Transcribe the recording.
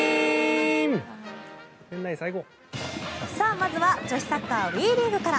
まずは女子サッカーＷＥリーグから。